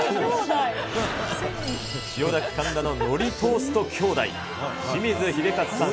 千代田区神田ののりトースト兄弟、清水英勝さん